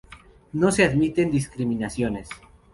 No se admiten discriminaciones.